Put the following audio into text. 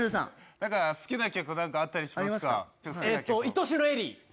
なんか好きな曲あったりしますか？